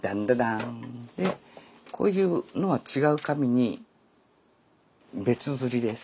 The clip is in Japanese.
でこういうのは違う紙に別刷りです。